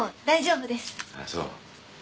ああそう。